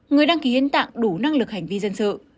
người đăng ký hiến tạng đủ năng lực hành vi dân sự